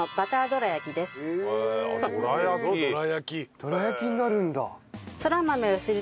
どら焼きになるんだ！